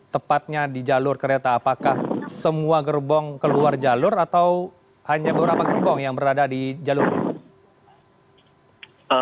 tepatnya di jalur kereta apakah semua gerbong keluar jalur atau hanya beberapa gerbong yang berada di jalur ini